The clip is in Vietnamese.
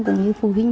cũng như phụ huynh